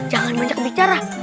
jangan banyak bicara